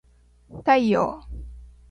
太陽